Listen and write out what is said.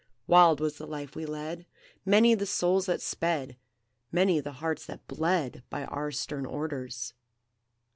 Wild was the life we led; Many the souls that sped, Many the hearts that bled, By our stern orders.